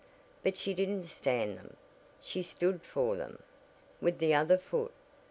"But she didn't stand them, she stood for them, with the other foot.